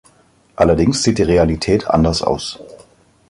Allerdings sieht die Realität anders aus.